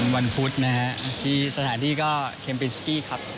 วันพุธนะฮะที่สถานที่ก็เคมปิสกี้ครับ